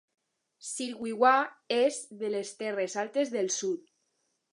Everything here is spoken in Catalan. Sir Wiwa és de les Terres altes del sud.